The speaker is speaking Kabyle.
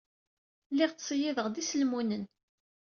Lliɣ ttṣeyyideɣ-d iselmunen.